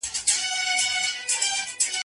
تر جانانه مي لېږلی رویبار راغی